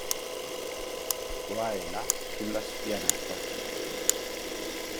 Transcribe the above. Qua e là sulla spianata.